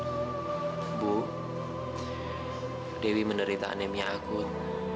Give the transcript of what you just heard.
ibu dewi menderita anemia akut